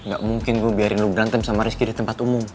gak mungkin gue biarin lu berantem sama rizky di tempat umum